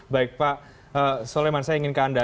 baik pak soleman saya ingin ke anda